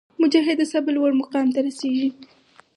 مجاهد د صبر لوړ مقام ته رسېږي.